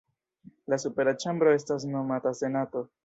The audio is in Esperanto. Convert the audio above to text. La supera ĉambro estas nomata Senato.